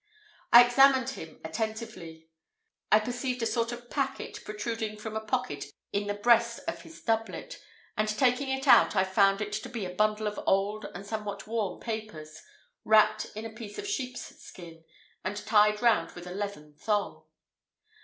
As I examined him attentively, I perceived a sort of packet protruding from a pocket in the breast of his doublet, and taking it out I found it to be a bundle of old, and somewhat worn papers, wrapped in a piece of sheep's skin, and tied round with a leathern thong.